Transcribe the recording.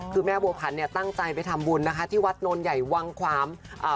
คือแม่บวพันธุ์ตั้งใจไปทำบุญที่วัดนนท์ใหญ่วังขาม